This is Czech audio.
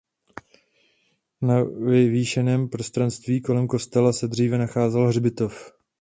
Na vyvýšeném prostranství kolem kostela se dříve nacházel hřbitov.